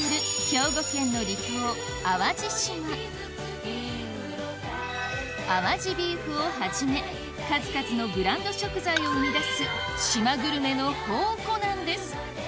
兵庫県の離島淡路島淡路ビーフをはじめ数々のブランド食材を生み出す島グルメの宝庫なんです